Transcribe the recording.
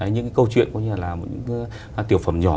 những câu chuyện tiểu phẩm nhỏ